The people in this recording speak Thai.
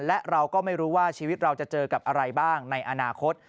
และเราก็ไม่รู้ว่าชีวิตเราจะเจอกับอะไรบ้างในอนาคต